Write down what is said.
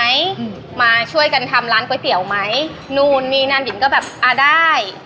อืมมาช่วยกันทำร้านก๋วยเตี๋ยวไหมนู่นมีนานบินก็แบบอ่าได้